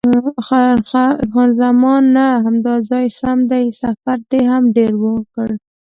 خان زمان: نه، همدا ځای سم دی، سفر دې هم ډېر وکړ.